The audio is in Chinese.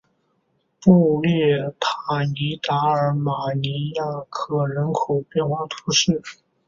布列塔尼达尔马尼亚克人口变化图示